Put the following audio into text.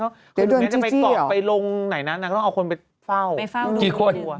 ข้างนอกห้องต้องมี